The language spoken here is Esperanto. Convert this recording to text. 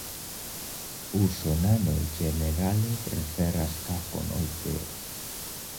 Usonanoj ĝenerale preferas kafon ol teo.